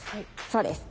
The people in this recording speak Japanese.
そうです。